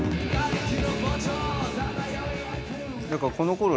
何かこのころ